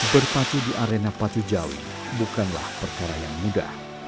berpacu di arena pacu jawi bukanlah perkara yang mudah